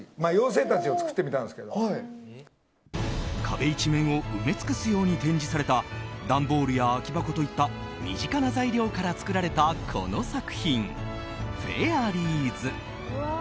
壁一面を埋め尽くすように展示された段ボールや空き箱といった身近な材料から作られたこの作品「フェアリーズ」。